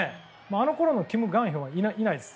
あのころのキム・グァンヒョンはいないです。